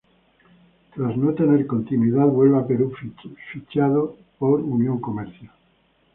Tras no tener continuidad vuelve a Perú fichando por Unión Comercio.